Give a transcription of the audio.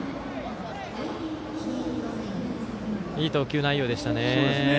いい投球内容でしたね。